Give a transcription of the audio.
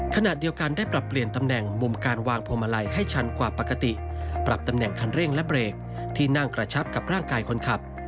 ขณะเดียวกันได้ปรับเปลี่ยนตำแหน่งมุมการวางพวงมาลัยให้ชันกว่าปกติปรับตำแหน่งคันเร่งและเบรกที่นั่งกระชับกับร่างกายคนขับ